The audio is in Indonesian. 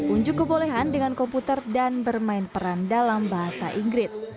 unjuk kebolehan dengan komputer dan bermain peran dalam bahasa inggris